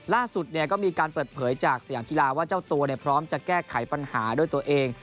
ล่าสุดก็มีการเปิดเผยจากสยามกีฬาว่าเจ้าตัวพร้อมจะแก้ไขปัญหาด้วยตัวเอง